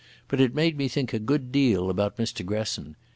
But it made me think a good deal about Mr Gresson.